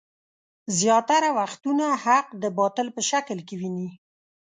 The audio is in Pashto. زياتره وختونه حق د باطل په شکل کې ويني.